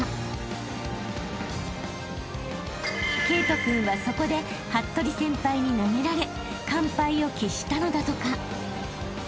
［慧登君はそこで服部先輩に投げられ完敗を喫したのだとか］